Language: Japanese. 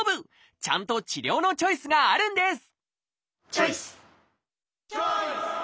ちゃんと治療のチョイスがあるんですチョイス！